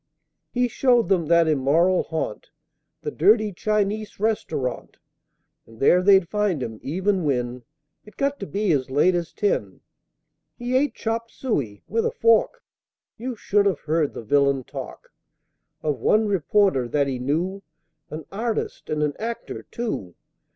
He showed them that immoral haunt, The dirty Chinese Restaurant; And there they'd find him, even when It got to be as late as ten! He ate chopped suey (with a fork) You should have heard the villain talk Of one reporter that he knew (!) An artist, and an actor, too!!!